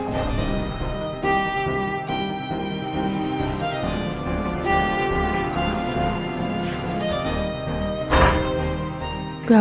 saya permisi pak saya akan datang